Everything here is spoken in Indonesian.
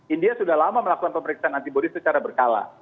india sudah lama melakukan pemeriksaan antibody secara berkala